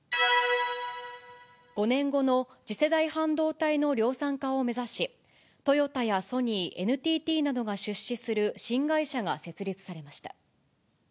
５年後の次世代半導体の量産化を目指し、トヨタやソニー、ＮＴＴなどが出資する新会社が設立されました。